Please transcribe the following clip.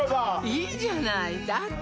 いいじゃないだって